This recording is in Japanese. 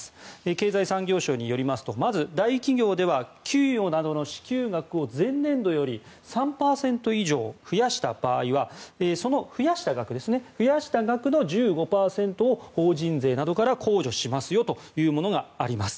経済産業省によりますとまず、大企業では給与などの支給額を前年度より３％以上増やした場合はその増やした額の１５％を法人税などから控除しますよというものがあります。